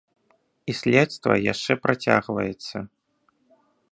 І следства яшчэ працягваецца.